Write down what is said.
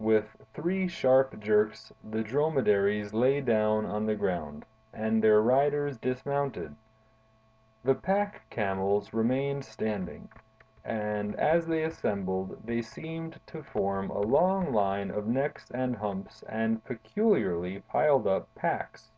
With three sharp jerks, the dromedaries lay down on the ground, and their riders dismounted. The pack camels remained standing, and as they assembled they seemed to form a long line of necks and humps and peculiarly piled up packs.